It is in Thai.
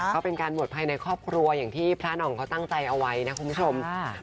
ก็เป็นการบวชภายในครอบครัวอย่างที่พระหน่องเขาตั้งใจเอาไว้นะคุณผู้ชม